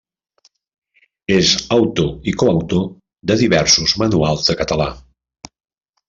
És autor i coautor de diversos manuals de català.